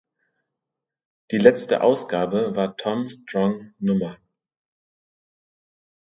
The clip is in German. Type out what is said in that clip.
Die letzte Ausgabe war Tom Strong Nr.